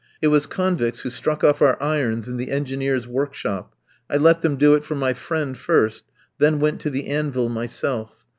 It was convicts who struck off our irons in the engineers' workshop. I let them do it for my friend first, then went to the anvil myself.